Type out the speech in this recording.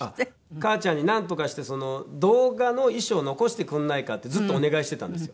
母ちゃんになんとかして動画の遺書を残してくれないかってずっとお願いしてたんですよ。